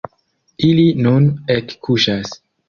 Ili nun ekkuŝas.